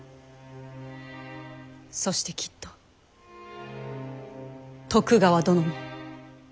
そしてきっと徳川殿も。